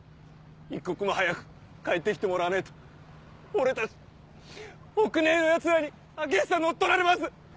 一刻も早く帰って来てもらわねえと俺たち北根壊のヤツらに開久乗っ取られます！